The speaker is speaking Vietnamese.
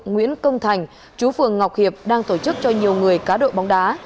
nguyễn công thành chú phường ngọc hiệp đang tổ chức cho nhiều người cá đội bóng đá